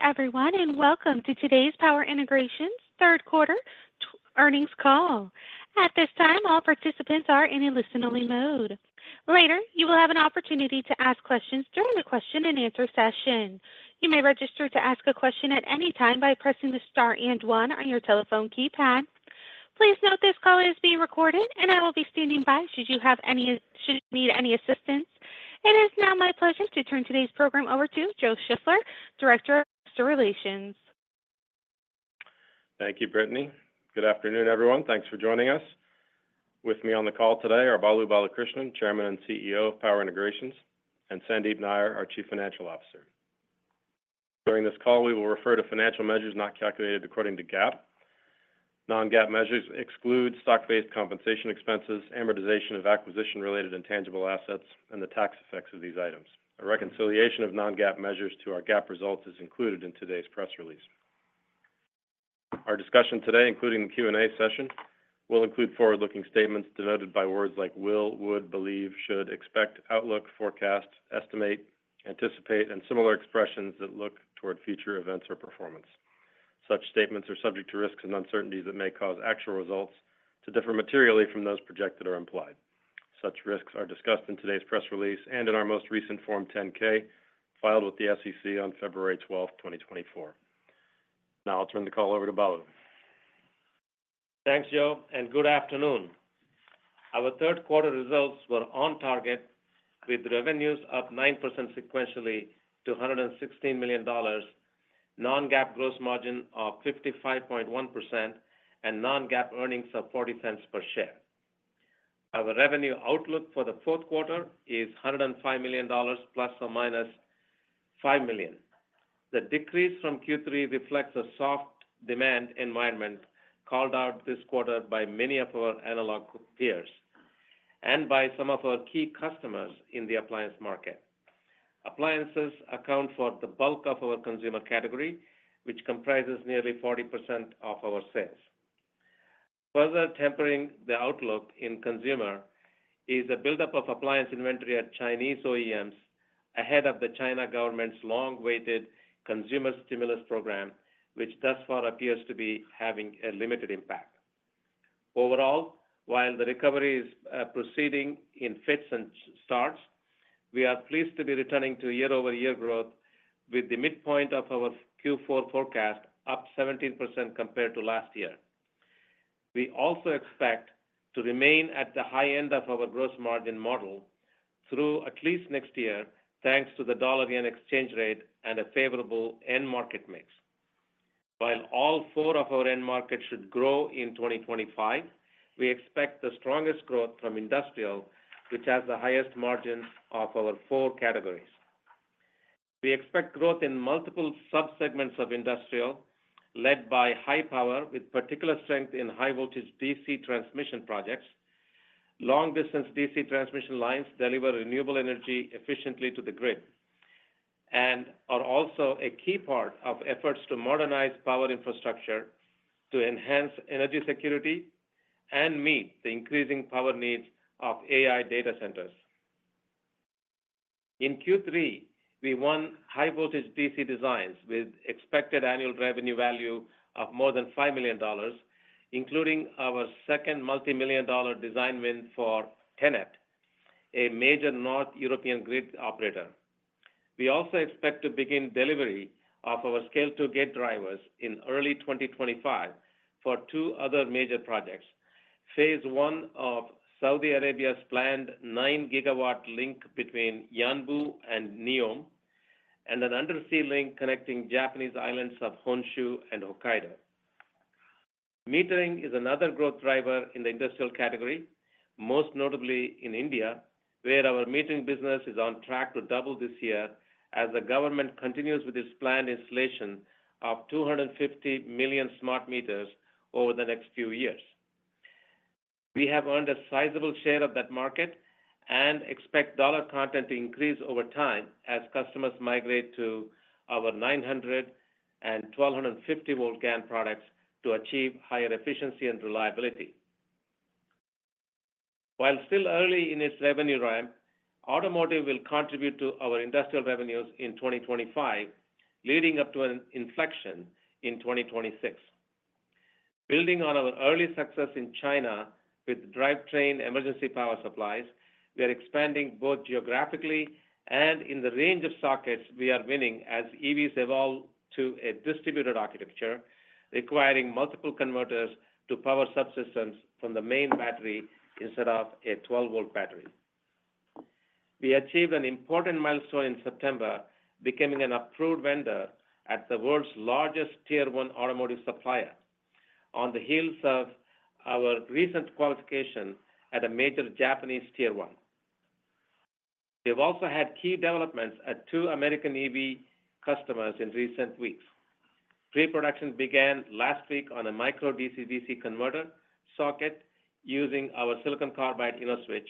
Good day, everyone, and welcome to today's Power Integrations third quarter earnings call. At this time, all participants are in a listen-only mode. Later, you will have an opportunity to ask questions during the question-and-answer session. You may register to ask a question at any time by pressing the star and one on your telephone keypad. Please note this call is being recorded, and I will be standing by should you need any assistance. It is now my pleasure to turn today's program over to Joe Shiffler, Director of Investor Relations. Thank you, Brittany. Good afternoon, everyone. Thanks for joining us. With me on the call today are Balu Balakrishnan, Chairman and CEO of Power Integrations, and Sandeep Nayyar, our Chief Financial Officer. During this call, we will refer to financial measures not calculated according to GAAP. Non-GAAP measures exclude stock-based compensation expenses, amortization of acquisition-related intangible assets, and the tax effects of these items. A reconciliation of non-GAAP measures to our GAAP results is included in today's press release. Our discussion today, including the Q&A session, will include forward-looking statements denoted by words like will, would, believe, should, expect, outlook, forecast, estimate, anticipate, and similar expressions that look toward future events or performance. Such statements are subject to risks and uncertainties that may cause actual results to differ materially from those projected or implied. Such risks are discussed in today's press release and in our most recent Form 10-K filed with the SEC on February 12, 2024. Now I'll turn the call over to Balu. Thanks, Joe, and good afternoon. Our third-quarter results were on target, with revenues up 9% sequentially to $116 million, non-GAAP gross margin of 55.1%, and non-GAAP earnings of $0.40 per share. Our revenue outlook for the fourth quarter is $105 million ± $5 million. The decrease from Q3 reflects a soft demand environment called out this quarter by many of our analog peers and by some of our key customers in the appliance market. Appliances account for the bulk of our consumer category, which comprises nearly 40% of our sales. Further tempering the outlook in consumer is a buildup of appliance inventory at Chinese OEMs ahead of the Chinese government's long-awaited consumer stimulus program, which thus far appears to be having a limited impact. Overall, while the recovery is proceeding in fits and starts, we are pleased to be returning to year-over-year growth, with the midpoint of our Q4 forecast up 17% compared to last year. We also expect to remain at the high end of our gross margin model through at least next year, thanks to the dollar-yen exchange rate and a favorable end market mix. While all four of our end markets should grow in 2025, we expect the strongest growth from industrial, which has the highest margins of our four categories. We expect growth in multiple subsegments of industrial, led by high power, with particular strength in high-voltage DC transmission projects. Long-distance DC transmission lines deliver renewable energy efficiently to the grid and are also a key part of efforts to modernize power infrastructure to enhance energy security and meet the increasing power needs of AI data centers. In Q3, we won high-voltage DC designs with expected annual revenue value of more than $5 million, including our second multimillion-dollar design win for TenneT, a major Northern European grid operator. We also expect to begin delivery of our SCALE-2 gate drivers in early 2025 for two other major projects: Phase 1 of Saudi Arabia's planned 9GW link between Yanbu and NEOM, and an undersea link connecting Japanese islands of Honshu and Hokkaido. Metering is another growth driver in the industrial category, most notably in India, where our metering business is on track to double this year as the government continues with its planned installation of 250 million smart meters over the next few years. We have earned a sizable share of that market and expect dollar content to increase over time as customers migrate to our 900 V and 1,250 V GaN products to achieve higher efficiency and reliability. While still early in its revenue ramp, automotive will contribute to our industrial revenues in 2025, leading up to an inflection in 2026. Building on our early success in China with drivetrain emergency power supplies, we are expanding both geographically and in the range of sockets we are winning as EVs evolve to a distributed architecture requiring multiple converters to power subsystems from the main battery instead of a 12 V battery. We achieved an important milestone in September, becoming an approved vendor at the world's largest Tier 1 automotive supplier on the heels of our recent qualification at a major Japanese Tier 1. We have also had key developments at two American EV customers in recent weeks. Pre-production began last week on a micro-DC-DC converter socket using our silicon carbide InnoSwitch,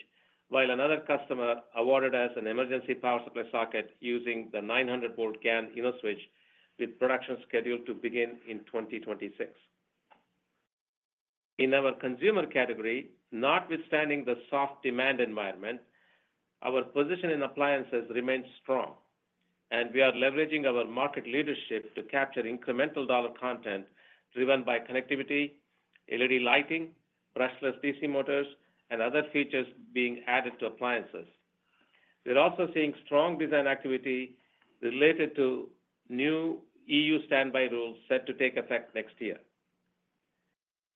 while another customer awarded us an emergency power supply socket using the 900V GaN InnoSwitch, with production scheduled to begin in 2026. In our consumer category, notwithstanding the soft demand environment, our position in appliances remains strong, and we are leveraging our market leadership to capture incremental dollar content driven by connectivity, LED lighting, brushless DC motors, and other features being added to appliances. We are also seeing strong design activity related to new EU standby rules set to take effect next year.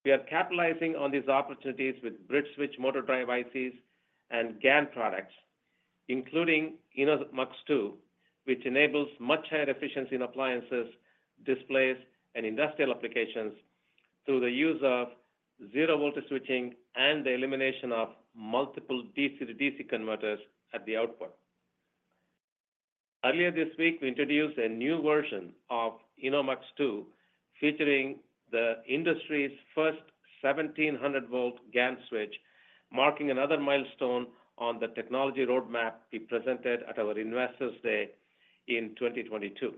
We are capitalizing on these opportunities with BridgeSwitch motor drive ICs and GaN products, including InnoMux-2, which enables much higher efficiency in appliances, displays, and industrial applications through the use of zero-voltage switching and the elimination of multiple DC-DC converters at the output. Earlier this week, we introduced a new version of InnoMux-2, featuring the industry's first 1,700 V GaN switch, marking another milestone on the technology roadmap we presented at our Investors' Day in 2022.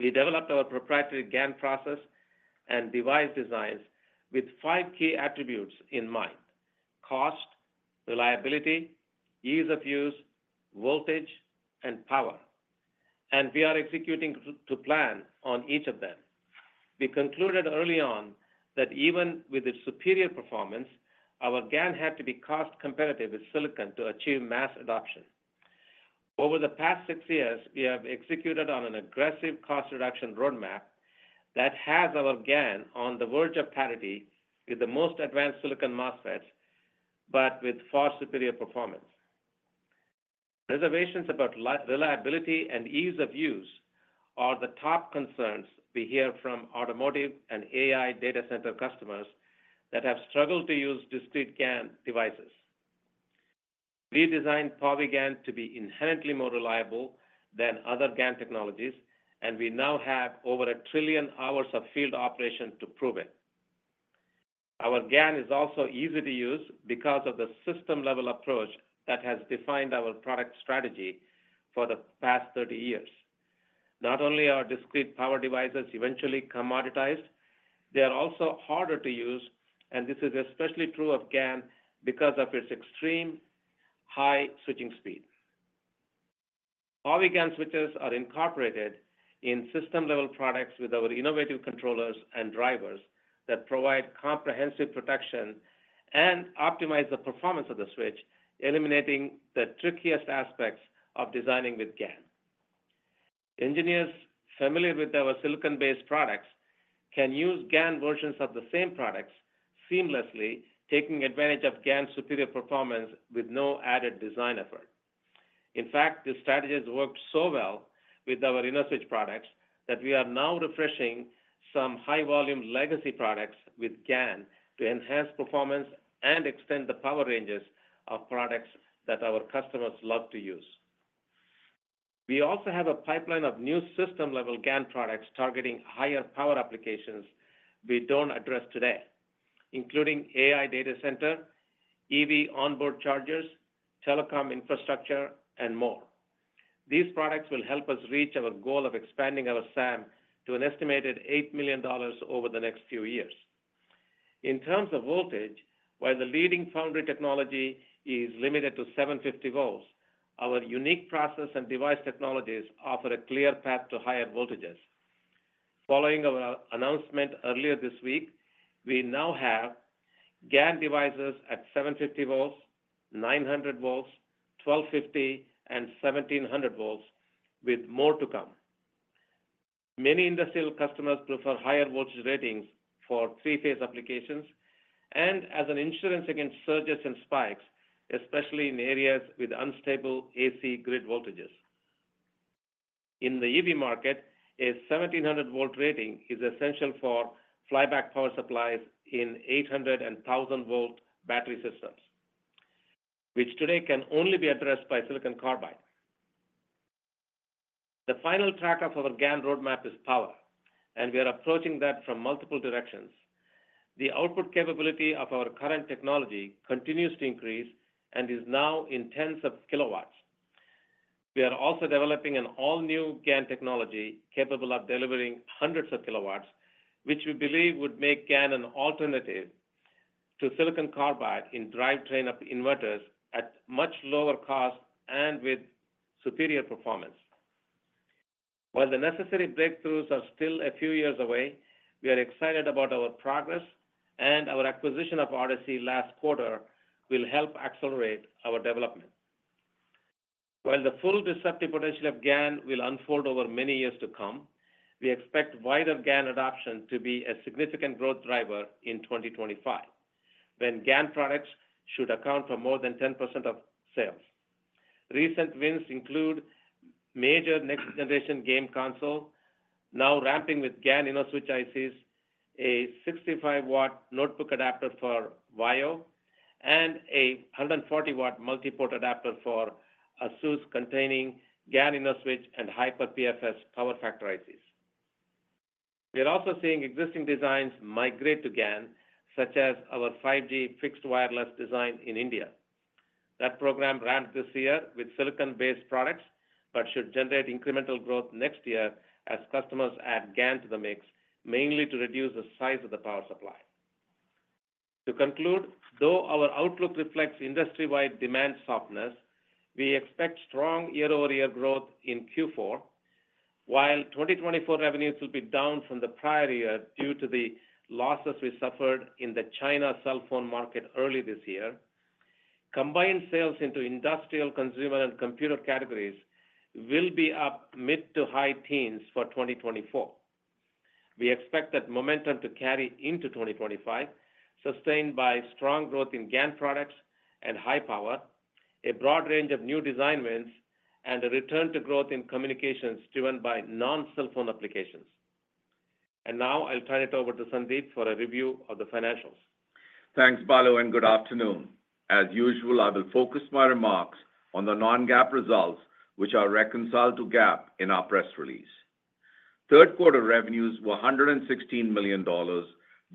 We developed our proprietary GaN process and device designs with five key attributes in mind: cost, reliability, ease of use, voltage, and power. And we are executing to plan on each of them. We concluded early on that even with its superior performance, our GaN had to be cost-competitive with silicon to achieve mass adoption. Over the past six years, we have executed on an aggressive cost-reduction roadmap that has our GaN on the verge of parity with the most advanced silicon MOSFETs, but with far superior performance. Reservations about reliability and ease of use are the top concerns we hear from automotive and AI data center customers that have struggled to use discrete GaN devices. We designed PowiGaN to be inherently more reliable than other GaN technologies, and we now have over a trillion hours of field operation to prove it. Our GaN is also easy to use because of the system-level approach that has defined our product strategy for the past 30 years. Not only are discrete power devices eventually commoditized, they are also harder to use, and this is especially true of GaN because of its extreme high switching speed. PowiGaN switches are incorporated in system-level products with our innovative controllers and drivers that provide comprehensive protection and optimize the performance of the switch, eliminating the trickiest aspects of designing with GaN. Engineers familiar with our silicon-based products can use GaN versions of the same products seamlessly, taking advantage of GaN's superior performance with no added design effort. In fact, this strategy has worked so well with our InnoSwitch products that we are now refreshing some high-volume legacy products with GaN to enhance performance and extend the power ranges of products that our customers love to use. We also have a pipeline of new system-level GaN products targeting higher power applications we don't address today, including AI data center, EV onboard chargers, telecom infrastructure, and more. These products will help us reach our goal of expanding our SAM to an estimated $8 million over the next few years. In terms of voltage, while the leading foundry technology is limited to 750 V, our unique process and device technologies offer a clear path to higher voltages. Following our announcement earlier this week, we now have GaN devices at 750 V, 900 V, 1,250 V, and 1,700 V, with more to come. Many industrial customers prefer higher voltage ratings for three-phase applications and as an insurance against surges and spikes, especially in areas with unstable AC grid voltages. In the EV market, a 1,700 V rating is essential for flyback power supplies in 800 V and 1,000 V battery systems, which today can only be addressed by silicon carbide. The final track of our GaN roadmap is power, and we are approaching that from multiple directions. The output capability of our current technology continues to increase and is now in tens of kilowatts. We are also developing an all-new GaN technology capable of delivering hundreds of kilowatts, which we believe would make GaN an alternative to silicon carbide in drivetrain inverters at much lower cost and with superior performance. While the necessary breakthroughs are still a few years away, we are excited about our progress, and our acquisition of Odyssey last quarter will help accelerate our development. While the full disruptive potential of GaN will unfold over many years to come, we expect wider GaN adoption to be a significant growth driver in 2025, when GaN products should account for more than 10% of sales. Recent wins include major next-generation game consoles, now ramping with GaN InnoSwitch ICs, a 65 W notebook adapter for VAIO, and a 140 W multiport adapter for ASUS containing GaN InnoSwitch and HiperPFS power factor ICs. We are also seeing existing designs migrate to GaN, such as our 5G fixed wireless design in India. That program ramped this year with silicon-based products but should generate incremental growth next year as customers add GaN to the mix, mainly to reduce the size of the power supply. To conclude, though our outlook reflects industry-wide demand softness, we expect strong year-over-year growth in Q4, while 2024 revenues will be down from the prior year due to the losses we suffered in the China cell phone market early this year. Combined sales into industrial, consumer, and computer categories will be up mid to high teens for 2024. We expect that momentum to carry into 2025, sustained by strong growth in GaN products and high power, a broad range of new design wins, and a return to growth in communications driven by non-cell phone applications. And now I'll turn it over to Sandeep for a review of the financials. Thanks, Balu, and good afternoon. As usual, I will focus my remarks on the non-GAAP results, which are reconciled to GAAP in our press release. Third quarter revenues were $116 million,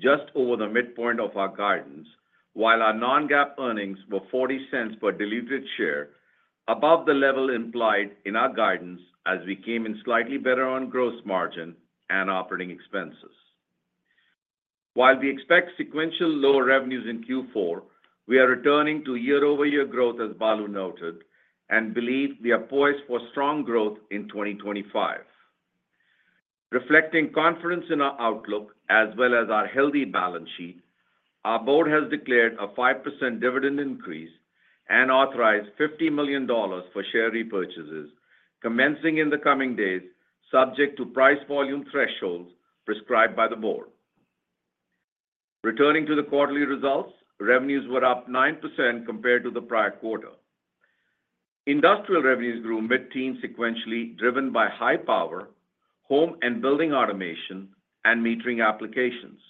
just over the midpoint of our guidance, while our non-GAAP earnings were $0.40 per diluted share, above the level implied in our guidance as we came in slightly better on gross margin and operating expenses. While we expect sequential lower revenues in Q4, we are returning to year-over-year growth, as Balu noted, and believe we are poised for strong growth in 2025. Reflecting confidence in our outlook as well as our healthy balance sheet, our board has declared a 5% dividend increase and authorized $50 million for share repurchases, commencing in the coming days, subject to price volume thresholds prescribed by the board. Returning to the quarterly results, revenues were up 9% compared to the prior quarter. Industrial revenues grew mid-teens sequentially, driven by high power, home and building automation, and metering applications.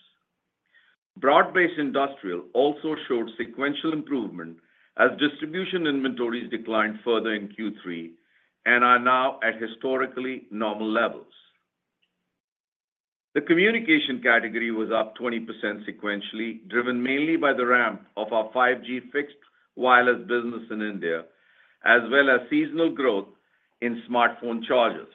Broad-based industrial also showed sequential improvement as distribution inventories declined further in Q3 and are now at historically normal levels. The communication category was up 20% sequentially, driven mainly by the ramp of our 5G fixed wireless business in India, as well as seasonal growth in smartphone chargers.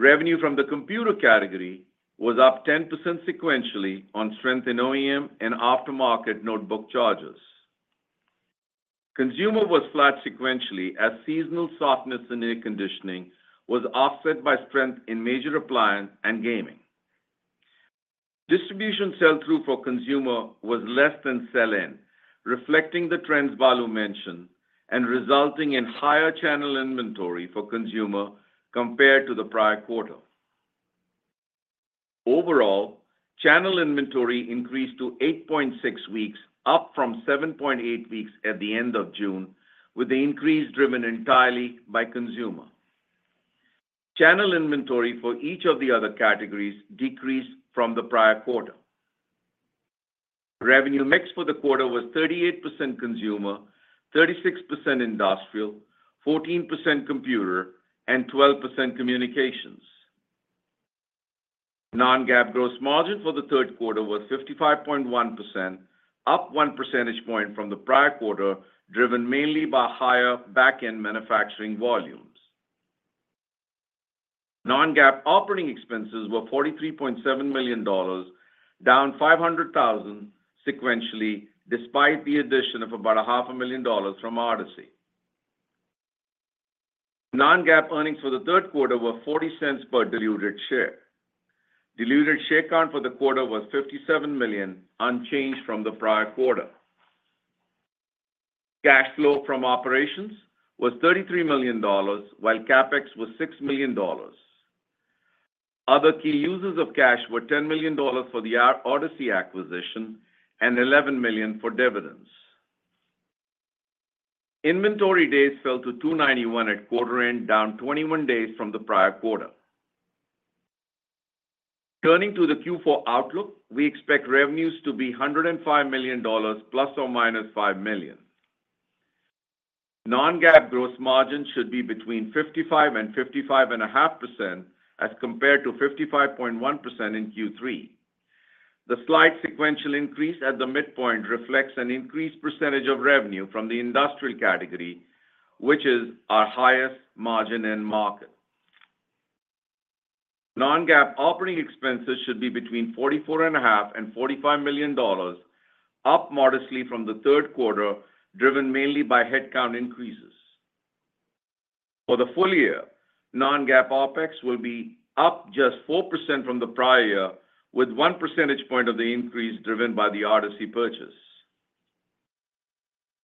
Revenue from the computer category was up 10% sequentially on strength in OEM and aftermarket notebook chargers. Consumer was flat sequentially as seasonal softness in air conditioning was offset by strength in major appliance and gaming. Distribution sell-through for consumer was less than sell-in, reflecting the trends Balu mentioned and resulting in higher channel inventory for consumer compared to the prior quarter. Overall, channel inventory increased to 8.6 weeks, up from 7.8 weeks at the end of June, with the increase driven entirely by consumer. Channel inventory for each of the other categories decreased from the prior quarter. Revenue mix for the quarter was 38% consumer, 36% industrial, 14% computer, and 12% communications. Non-GAAP gross margin for the third quarter was 55.1%, up one percentage point from the prior quarter, driven mainly by higher back-end manufacturing volumes. Non-GAAP operating expenses were $43.7 million, down $500,000 sequentially despite the addition of $500,000 from RSE. Non-GAAP earnings for the third quarter were $0.40 per diluted share. Diluted share count for the quarter was 57 million, unchanged from the prior quarter. Cash flow from operations was $33 million, while CapEx was $6 million. Other key uses of cash were $10 million for the RSE acquisition and $11 million for dividends. Inventory days fell to 291 at quarter-end, down 21 days from the prior quarter. Turning to the Q4 outlook, we expect revenues to be $105 million ± $5 million. Non-GAAP gross margin should be between 55%-55.5% as compared to 55.1% in Q3. The slight sequential increase at the midpoint reflects an increased percentage of revenue from the industrial category, which is our highest margin in market. Non-GAAP operating expenses should be between $44.5 million-$45 million, up modestly from the third quarter, driven mainly by headcount increases. For the full year, non-GAAP OpEx will be up just 4% from the prior year, with one percentage point of the increase driven by the RSE purchase.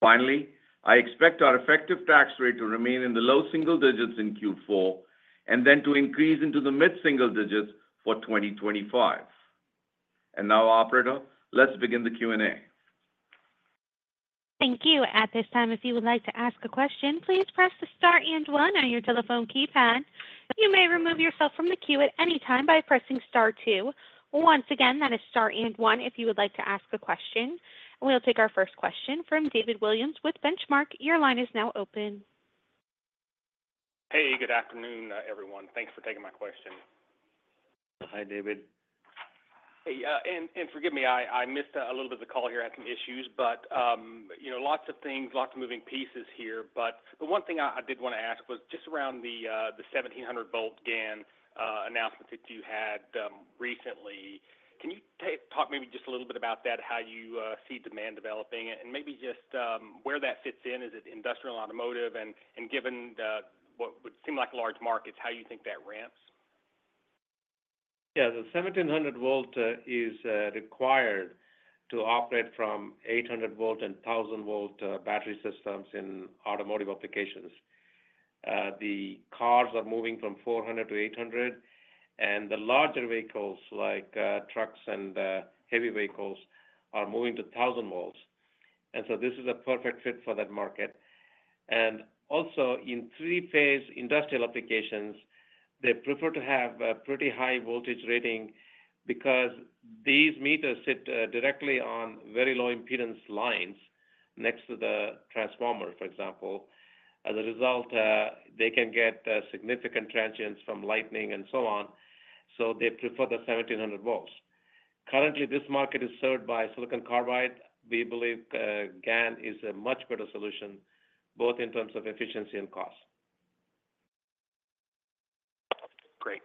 Finally, I expect our effective tax rate to remain in the low single digits in Q4 and then to increase into the mid-single digits for 2025. Now, operator, let's begin the Q&A. Thank you. At this time, if you would like to ask a question, please press the star and one on your telephone keypad. You may remove yourself from the queue at any time by pressing star two. Once again, that is star and one if you would like to ask a question. We'll take our first question from David Williams with Benchmark. Your line is now open. Hey, good afternoon, everyone. Thanks for taking my question. Hi, David. Hey, and forgive me, I missed a little bit of the call here. I had some issues, but lots of things, lots of moving pieces here. But the one thing I did want to ask was just around the 1,700 V GaN announcement that you had recently. Can you talk maybe just a little bit about that, how you see demand developing, and maybe just where that fits in? Is it industrial, automotive, and given what would seem like large markets, how you think that ramps? Yeah, the 1,700 V is required to operate from 800 V and 1,000 V battery systems in automotive applications. The cars are moving from 400 V to 800 V, and the larger vehicles like trucks and heavy vehicles are moving to 1,000 V. And so this is a perfect fit for that market. And also, in three-phase industrial applications, they prefer to have a pretty high voltage rating because these meters sit directly on very low impedance lines next to the transformer, for example. As a result, they can get significant transients from lightning and so on, so they prefer the 1,700 V. Currently, this market is served by silicon carbide. We believe GaN is a much better solution, both in terms of efficiency and cost. Great.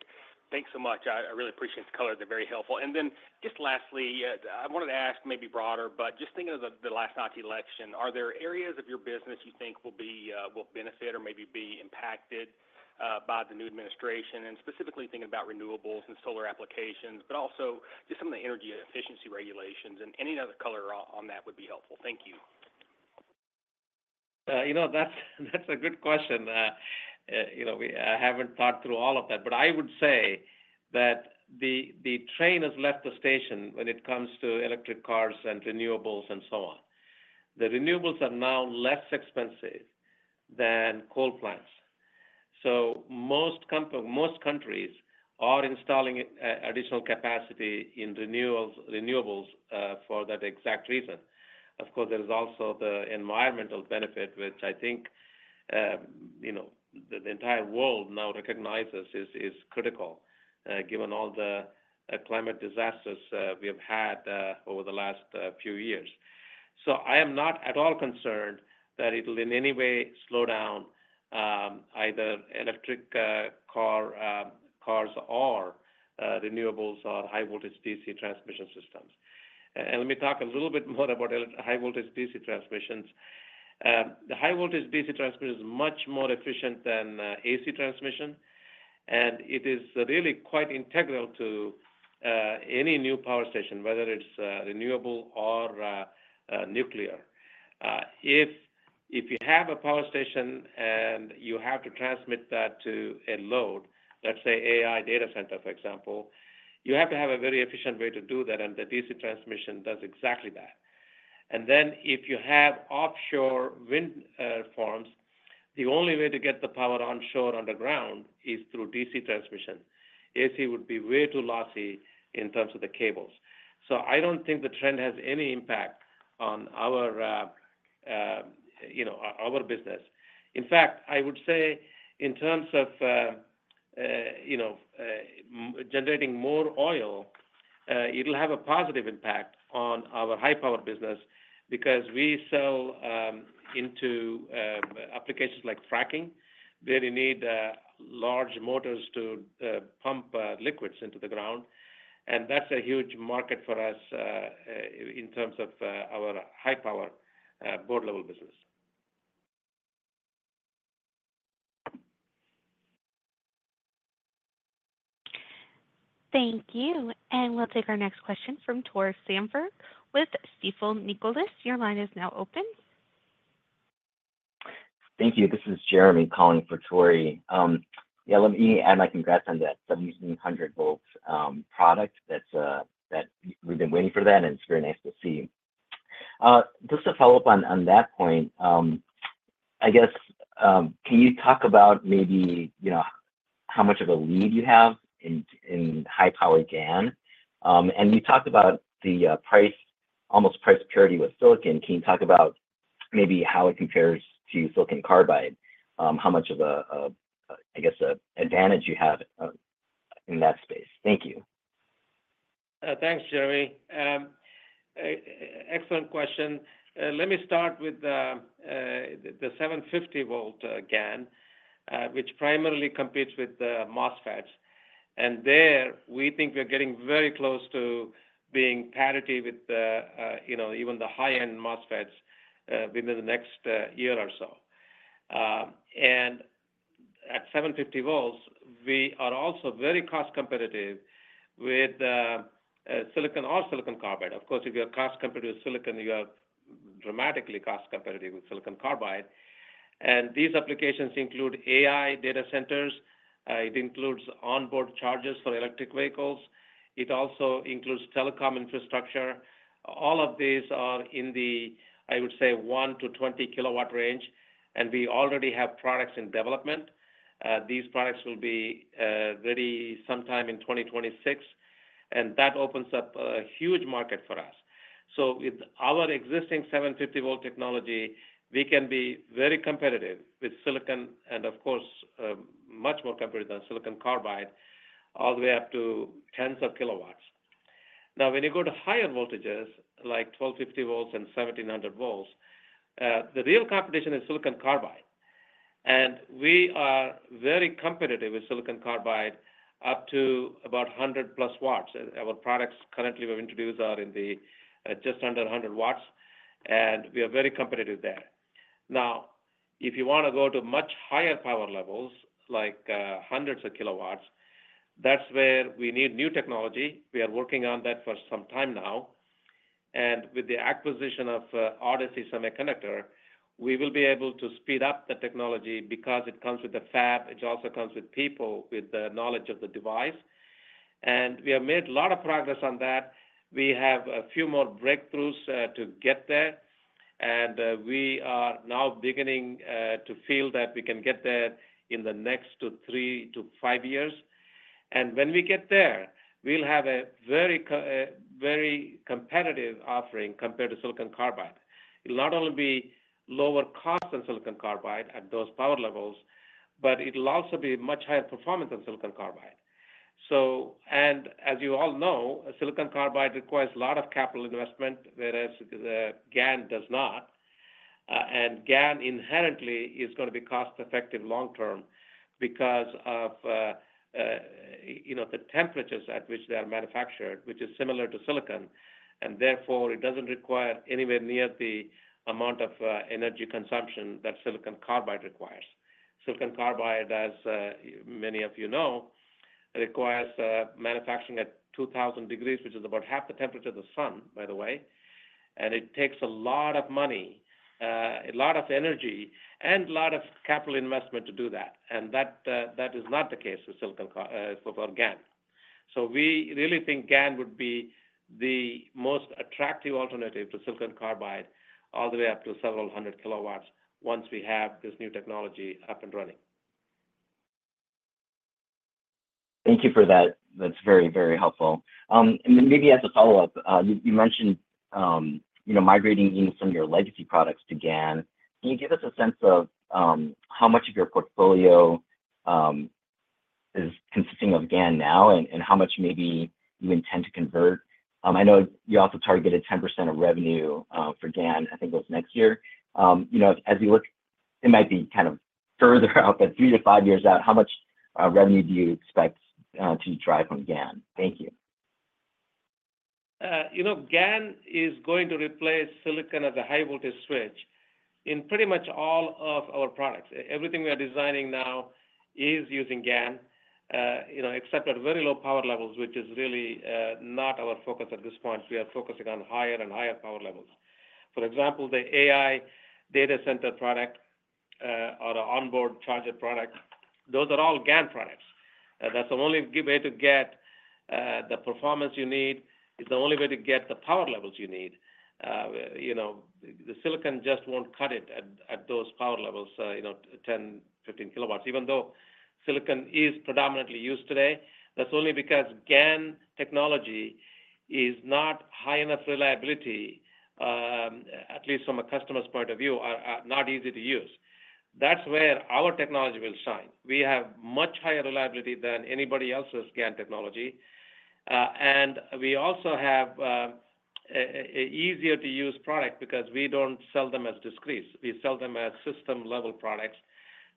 Thanks so much. I really appreciate the colors. They're very helpful. Then just lastly, I wanted to ask maybe broader, but just thinking of the last election, are there areas of your business you think will benefit or maybe be impacted by the new administration? And specifically thinking about renewables and solar applications, but also just some of the energy efficiency regulations, and any other color on that would be helpful. Thank you. You know, that's a good question. I haven't thought through all of that, but I would say that the train has left the station when it comes to electric cars and renewables and so on. The renewables are now less expensive than coal plants. So most countries are installing additional capacity in renewables for that exact reason. Of course, there is also the environmental benefit, which I think the entire world now recognizes is critical, given all the climate disasters we have had over the last few years. So I am not at all concerned that it will in any way slow down either electric cars or renewables or high-voltage DC transmission systems. And let me talk a little bit more about high-voltage DC transmissions. The high-voltage DC transmission is much more efficient than AC transmission, and it is really quite integral to any new power station, whether it's renewable or nuclear. If you have a power station and you have to transmit that to a load, let's say AI data center, for example, you have to have a very efficient way to do that, and the DC transmission does exactly that. And then if you have offshore wind farms, the only way to get the power onshore underground is through DC transmission. AC would be way too lossy in terms of the cables. So I don't think the trend has any impact on our business. In fact, I would say in terms of generating more oil, it'll have a positive impact on our high-power business because we sell into applications like fracking, where you need large motors to pump liquids into the ground. And that's a huge market for us in terms of our high-power board-level business. Thank you. And we'll take our next question from Tore Svanberg with Stifel Nicolaus. Your line is now open. Thank you. This is Jeremy calling for Tore. Yeah, let me add my congrats on that 1,700 V product that we've been waiting for, and it's very nice to see. Just to follow up on that point, I guess, can you talk about maybe how much of a lead you have in high-power GaN, and you talked about the almost price parity with silicon. Can you talk about maybe how it compares to silicon carbide, how much of a, I guess, advantage you have in that space? Thank you. Thanks, Jeremy. Excellent question. Let me start with the 750 V GaN, which primarily competes with the MOSFETs, and there, we think we're getting very close to being parity with even the high-end MOSFETs within the next year or so, and at 750 V, we are also very cost-competitive with silicon or silicon carbide. Of course, if you're cost-competitive with silicon, you are dramatically cost-competitive with silicon carbide, and these applications include AI data centers. It includes onboard chargers for electric vehicles. It also includes telecom infrastructure. All of these are in the, I would say, one to 20 kW range, and we already have products in development. These products will be ready sometime in 2026, and that opens up a huge market for us. So with our existing 750 V technology, we can be very competitive with silicon and, of course, much more competitive than silicon carbide, all the way up to tens of kilowatts. Now, when you go to higher voltages, like 1,250 V and 1,700 V, the real competition is silicon carbide. And we are very competitive with silicon carbide up to about 100+ W. Our products currently we've introduced are in the just under 100 W, and we are very competitive there. Now, if you want to go to much higher power levels, like hundreds of kilowatts, that's where we need new technology. We are working on that for some time now. And with the acquisition of RSE Semiconductor, we will be able to speed up the technology because it comes with the fab. It also comes with people with the knowledge of the device. And we have made a lot of progress on that. We have a few more breakthroughs to get there, and we are now beginning to feel that we can get there in the next three to five years. And when we get there, we'll have a very competitive offering compared to silicon carbide. It'll not only be lower cost than silicon carbide at those power levels, but it'll also be much higher performance than silicon carbide. And as you all know, silicon carbide requires a lot of capital investment, whereas GaN does not. And GaN inherently is going to be cost-effective long-term because of the temperatures at which they are manufactured, which is similar to silicon. Therefore, it doesn't require anywhere near the amount of energy consumption that silicon carbide requires. Silicon carbide, as many of you know, requires manufacturing at 2,000 degrees, which is about half the temperature of the sun, by the way. It takes a lot of money, a lot of energy, and a lot of capital investment to do that. That is not the case for silicon for GaN. We really think GaN would be the most attractive alternative to silicon carbide, all the way up to several hundred kilowatts, once we have this new technology up and running. Thank you for that. That's very, very helpful. Then maybe as a follow-up, you mentioned migrating some of your legacy products to GaN. Can you give us a sense of how much of your portfolio is consisting of GaN now and how much maybe you intend to convert? I know you also targeted 10% of revenue for GaN. I think it was next year. As you look, it might be kind of further out, but three to five years out, how much revenue do you expect to drive from GaN? Thank you. GaN is going to replace silicon as a high-voltage switch in pretty much all of our products. Everything we are designing now is using GaN, except at very low power levels, which is really not our focus at this point. We are focusing on higher and higher power levels. For example, the AI data center product or the onboard charger product, those are all GaN products. That's the only way to get the performance you need. It's the only way to get the power levels you need. The silicon just won't cut it at those power levels, 10 kilowatts, 15 kilowatts. Even though silicon is predominantly used today, that's only because GaN technology is not high enough reliability, at least from a customer's point of view, not easy to use. That's where our technology will shine. We have much higher reliability than anybody else's GaN technology. And we also have an easier-to-use product because we don't sell them as discretes. We sell them as system-level products.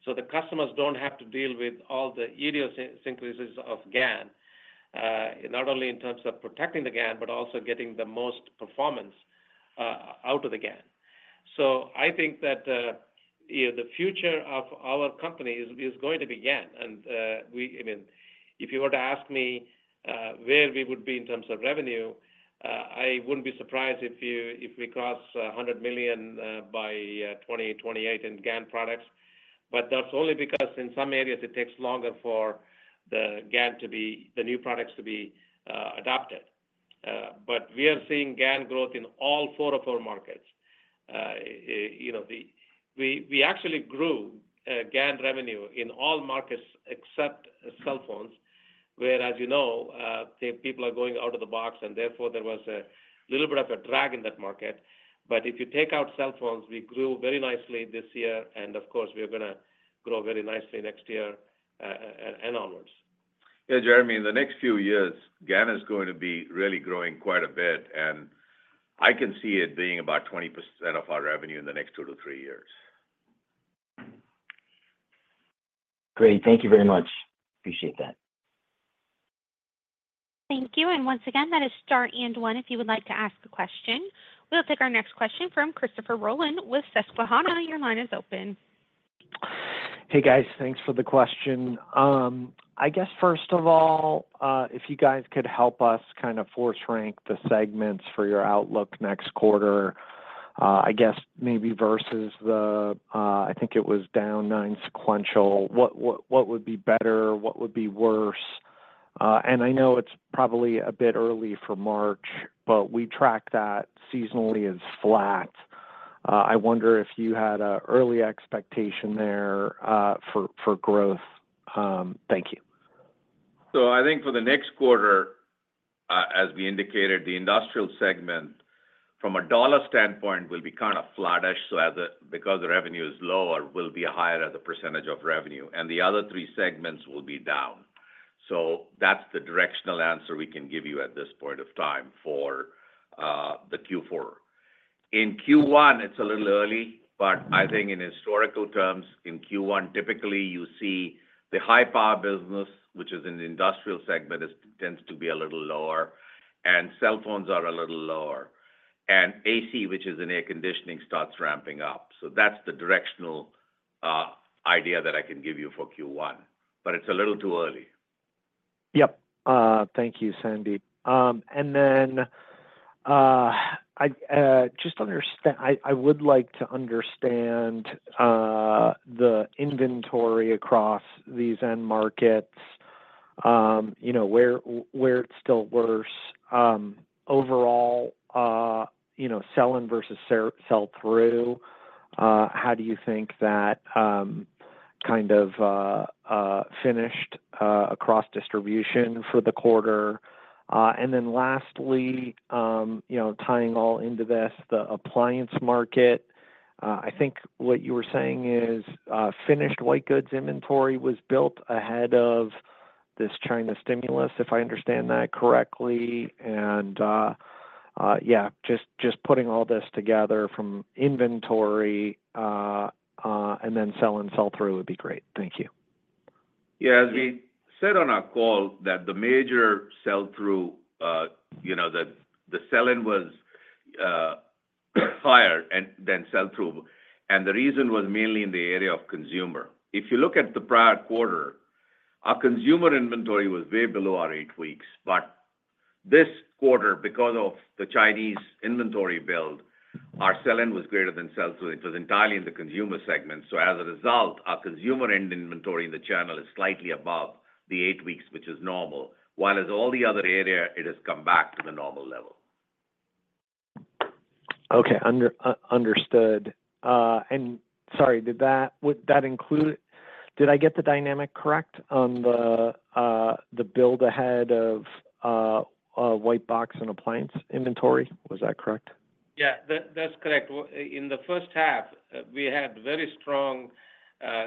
So the customers don't have to deal with all the idiosyncrasies of GaN, not only in terms of protecting the GaN, but also getting the most performance out of the GaN. So I think that the future of our company is going to be GaN. And if you were to ask me where we would be in terms of revenue, I wouldn't be surprised if we cross 100 million by 2028 in GaN products. But that's only because in some areas, it takes longer for the new products to be adopted. But we are seeing GaN growth in all four of our markets. We actually grew GaN revenue in all markets except cell phones, where, as you know, people are going out of the box, and therefore there was a little bit of a drag in that market. But if you take out cell phones, we grew very nicely this year, and of course, we are going to grow very nicely next year and onwards. Yeah, Jeremy, in the next few years, GaN is going to be really growing quite a bit, and I can see it being about 20% of our revenue in the next two to three years. Great. Thank you very much. Appreciate that. Thank you. And once again, that is Star and One. If you would like to ask a question, we'll take our next question from Christopher Rolland with Susquehanna. Your line is open. Hey, guys. Thanks for the question. I guess, first of all, if you guys could help us kind of force rank the segments for your outlook next quarter, I guess maybe versus the, I think it was down nine sequential, what would be better, what would be worse? And I know it's probably a bit early for March, but we track that seasonally as flat. I wonder if you had an early expectation there for growth. Thank you. So I think for the next quarter, as we indicated, the industrial segment, from a dollar standpoint, will be kind of flattish because the revenue is lower, will be higher as a percentage of revenue. And the other three segments will be down. So that's the directional answer we can give you at this point of time for the Q4. In Q1, it's a little early, but I think in historical terms, in Q1, typically you see the high-power business, which is in the industrial segment, tends to be a little lower, and cell phones are a little lower, and AC, which is in air conditioning, starts ramping up, so that's the directional idea that I can give you for Q1, but it's a little too early. Yep. Thank you, Sandeep, and then I would like to understand the inventory across these end markets, where it's still worse. Overall, sell-in versus sell-through, how do you think that kind of finished across distribution for the quarter? Then lastly, tying all into this, the appliance market, I think what you were saying is finished white goods inventory was built ahead of this China stimulus, if I understand that correctly. And yeah, just putting all this together from inventory and then sell-in, sell-through would be great. Thank you. Yeah. As we said on our call that the major sell-through, the sell-in was higher than sell-through. And the reason was mainly in the area of consumer. If you look at the prior quarter, our consumer inventory was way below our eight weeks. But this quarter, because of the Chinese inventory build, our sell-in was greater than sell-through. It was entirely in the consumer segment. So as a result, our consumer end inventory in the channel is slightly above the eight weeks, which is normal. While in all the other area, it has come back to the normal level. Okay. Understood. And sorry, did that include, did I get the dynamic correct on the build ahead of white box and appliance inventory? Was that correct? Yeah. That's correct. In the first half, we had very strong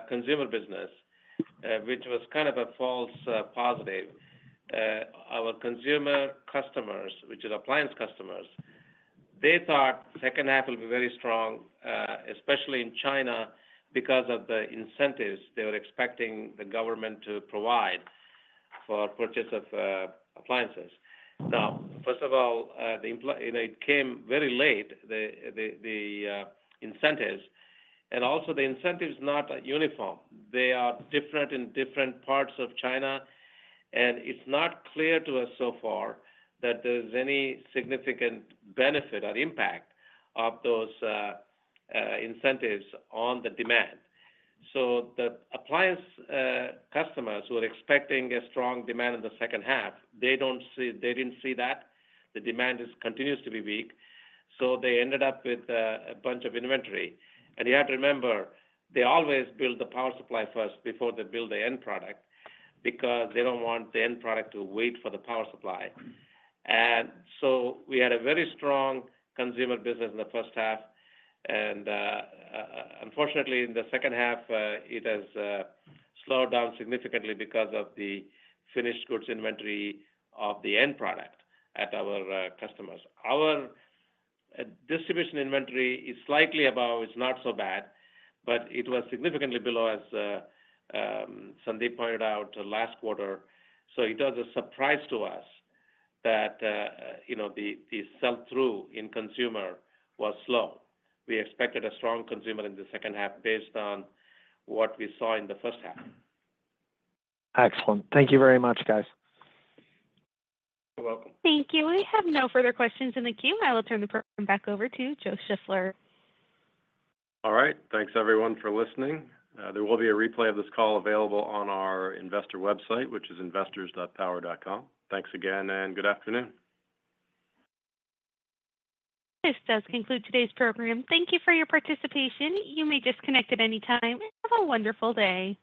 consumer business, which was kind of a false positive. Our consumer customers, which are appliance customers, they thought second half will be very strong, especially in China because of the incentives they were expecting the government to provide for purchase of appliances. Now, first of all, it came very late, the incentives. And also, the incentive is not uniform. They are different in different parts of China. And it's not clear to us so far that there is any significant benefit or impact of those incentives on the demand. So the appliance customers who are expecting a strong demand in the second half, they didn't see that. The demand continues to be weak. So they ended up with a bunch of inventory. And you have to remember, they always build the power supply first before they build the end product because they don't want the end product to wait for the power supply. And so we had a very strong consumer business in the first half. And unfortunately, in the second half, it has slowed down significantly because of the finished goods inventory of the end product at our customers. Our distribution inventory is slightly above, it's not so bad, but it was significantly below, as Sandeep pointed out last quarter. So it was a surprise to us that the sell-through in consumer was slow. We expected a strong consumer in the second half based on what we saw in the first half. Excellent. Thank you very much, guys. You're welcome. Thank you. We have no further questions in the queue. I will turn the program back over to Joe Shiffler. All right. Thanks, everyone, for listening. There will be a replay of this call available on our investor website, which is investors.power.com. Thanks again, and good afternoon. This does conclude today's program. Thank you for your participation. You may disconnect at any time. Have a wonderful day.